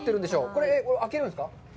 これ、開けるんですか。